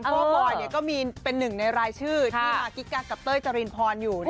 เพราะบอยเนี่ยก็มีเป็นหนึ่งในรายชื่อที่มากิ๊กกักกับเต้ยจรินพรอยู่นะครับ